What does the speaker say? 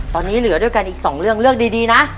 ตอนนี้เหลือด้วยกันอีก๒เรื่องเลือกดีนะ